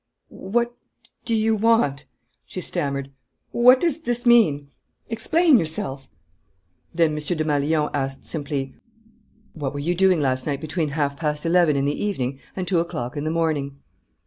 "What do you want?" she stammered. "What does this mean? Explain yourself!" Then M. Desmalions asked simply: "What were you doing last night between half past eleven in the evening and two o'clock in the morning?"